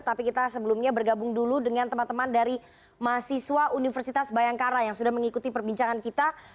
tapi kita sebelumnya bergabung dulu dengan teman teman dari mahasiswa universitas bayangkara yang sudah mengikuti perbincangan kita